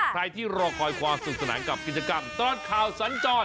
ใครที่รอคอยความสุขสนานกับกิจกรรมตลอดข่าวสัญจร